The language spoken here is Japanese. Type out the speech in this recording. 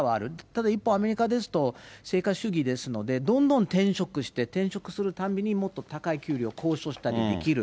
ただ、アメリカですと、成果主義ですので、どんどん転職して、転職するたびにもっと高い給料、交渉したりできる。